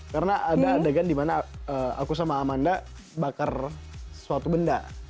karena ada adegan dimana aku sama amanda bakar suatu benda